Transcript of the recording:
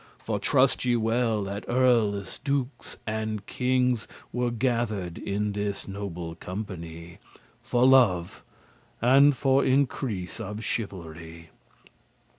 For trust ye well, that earles, dukes, and kings Were gather'd in this noble company, For love, and for increase of chivalry.